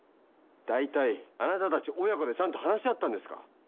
大体あなたたち親子でちゃんと話し合ったんですか？